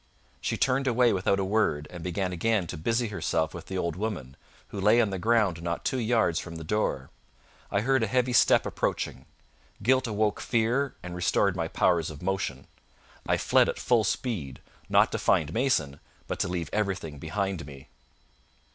She turned away without a word, and began again to busy herself with the old woman, who lay on the ground not two yards from the door. I heard a heavy step approaching. Guilt awoke fear and restored my powers of motion. I fled at full speed, not to find Mason, but to leave everything behind me.